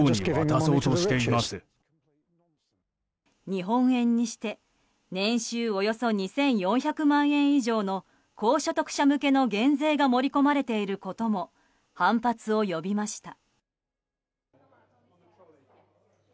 日本円にして年収およそ２４００万円以上の高所得者向けの減税が盛り込まれていることも反発を呼びました。